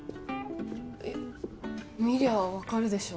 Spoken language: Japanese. えッ見りゃあ分かるでしょ？